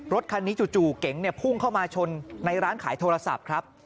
รถคันนี้จู่เก๋งพุ่งเข้ามาชนในร้านขายโทรศัพท์ครับ